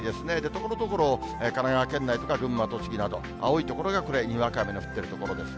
ところどころ神奈川県内とか、群馬、栃木など、青い所がこれ、にわか雨の降っている所です。